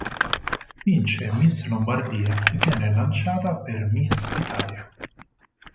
Vince Miss Lombardia e viene lanciata per Miss Italia.